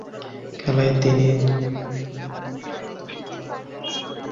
খেলায় তিনি দুই রান তুলেন ও দল জয় পায়।